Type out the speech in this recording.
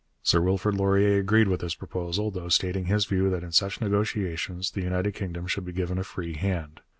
Sir Wilfrid Laurier agreed with this proposal, though stating his view that in such negotiations the United Kingdom should be given a free hand.